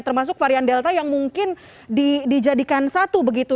termasuk varian delta yang mungkin dijadikan satu begitu